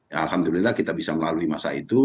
ya alhamdulillah kita bisa melalui masa itu